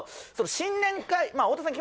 新年会太田さん